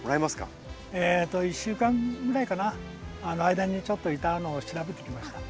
えと１週間ぐらいかな間にちょっといたのを調べてきました。